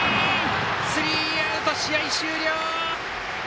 スリーアウト、試合終了！